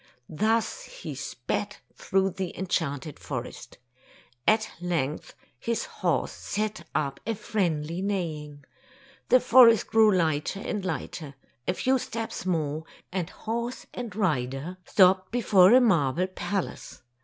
Thus he sped through the enchanted forest. At length his horse set up a friendly 46 Tales of Modern Germany neighing. The forest grew lighter and lighter. A few steps more, and horse and rider stopped before a marble palace.